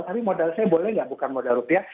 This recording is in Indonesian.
tapi modal saya boleh nggak bukan modal rupiah